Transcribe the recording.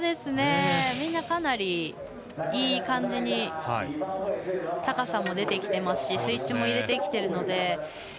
みんなかなりいい感じに高さも出てきてますしスイッチも入れてきているので。